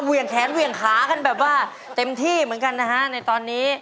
เหงแขนเวียงขากันแบบว่าเต็มที่เหมือนกันนะฮะในตอนนี้